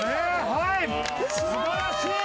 はい素晴らしい！